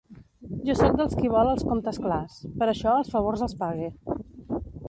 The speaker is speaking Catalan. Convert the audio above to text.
Jo sóc dels qui vol els comptes clars, per això els favors els pague.